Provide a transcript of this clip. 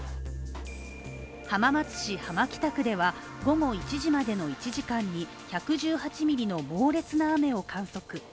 浜松市浜北区では、午後１時までの１時間に１１８ミリの猛烈な雨を観測。